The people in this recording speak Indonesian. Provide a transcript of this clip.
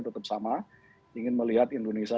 tetap sama ingin melihat indonesia